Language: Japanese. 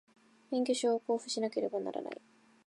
免許証を交付しなければならない